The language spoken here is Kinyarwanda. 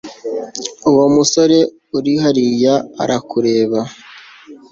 Uwo musore uri hariya arakureba